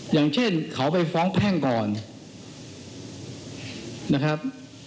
อย่างเช่นเขาไปฟ้องแพ่งก่อนนะครับ